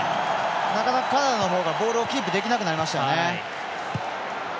なかなかカナダのほうがボールをキープできなくなりましたね。